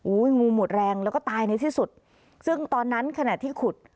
งูหมดแรงแล้วก็ตายในที่สุดซึ่งตอนนั้นขณะที่ขุด